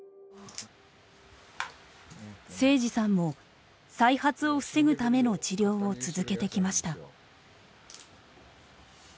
誠司さんも再発を防ぐための治療を続けてきました。